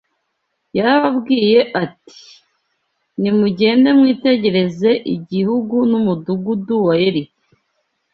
Yarababwiye ati ‘nimugende mwitegereze igihugu n’umudugudu wa Yeriko